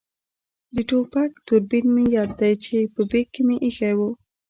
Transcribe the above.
د ټوپک دوربین مې یاد دی چې په بېک کې مې اېښی وو.